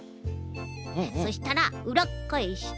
そしたらうらっかえして。